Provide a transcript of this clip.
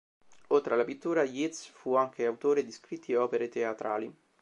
Oltre alla pittura, Yeats fu anche autore di scritti e opere teatrali.